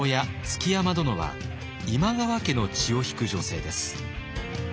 築山殿は今川家の血を引く女性です。